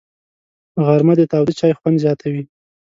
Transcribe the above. غرمه د تاوده چای خوند زیاتوي